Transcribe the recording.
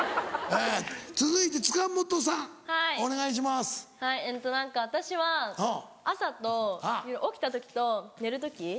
はいえっと何か私は朝と起きた時と寝る時を。